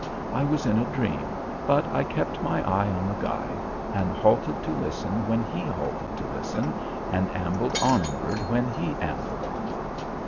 I was in a dream, but I kept my eye on the guide and halted to listen when he halted to listen and ambled onward when he ambled onward.